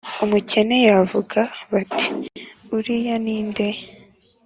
umukene yavuga, bati «Uriya ni nde?»